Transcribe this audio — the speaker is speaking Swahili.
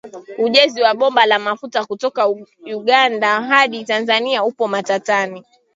Ujenzi wa bomba la mafuta kutoka Uganda hadi Tanzania upo matatani.